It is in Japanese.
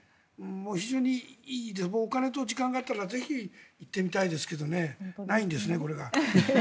非常によくてお金と時間があったらぜひ行ってみたいですがないんですね、これが。